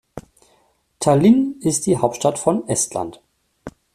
Tallinn ist die Hauptstadt von Estland.